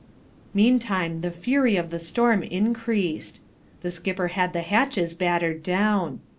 Meantime the fury of the storm increased. The skipper had the hatches battered down.